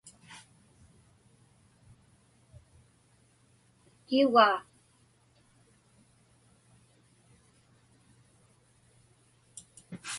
Kiugaa.